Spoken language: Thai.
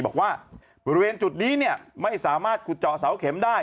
บอกว่าบริเวณจุดนี้ไม่สามารถขุดเจาะเสาเข็มได้